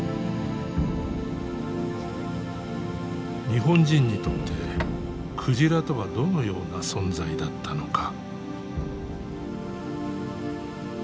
日本人にとって鯨とはどのような存在だったのか。